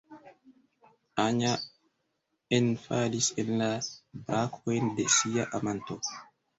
Anja enfalis en la brakojn de sia amanto!